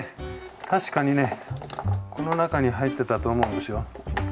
確かにねこの中に入ってたと思うんですよ。